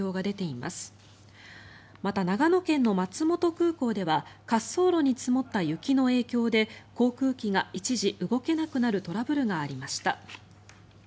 また、長野県の松本空港では滑走路に積もった雪の影響で航空機が一時、動けなくなるトラブルがありました。